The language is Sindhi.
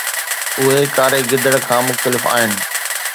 اهي ڪاري گدڙ کان مختلف آهن